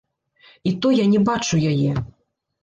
І то я не бачу яе.